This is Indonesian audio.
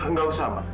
nggak usah ma